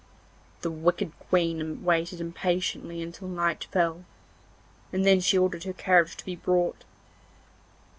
The wicked Queen waited impatiently until night fell, and then she ordered her carriage to be brought.